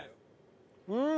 うん！